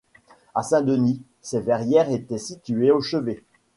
À Saint-Denis, ces verrières étaient situées au chevet.